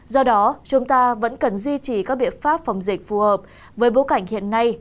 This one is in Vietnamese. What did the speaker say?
do đó chúng ta vẫn cần duy trì các biện pháp phòng dịch phù hợp với bối cảnh hiện nay